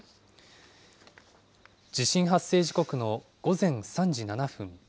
地震発生時刻の午前３時７分。